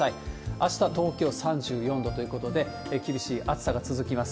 あした、東京３４度ということで、厳しい暑さが続きます。